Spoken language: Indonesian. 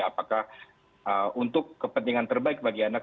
karena untuk kepentingan terbaik bagi anak